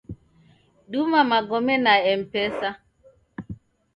Duma magome na Mpesa.